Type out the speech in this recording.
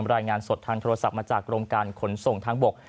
รายงานสดทางโทรศัพท์มาจากกรมการขนส่งทางบก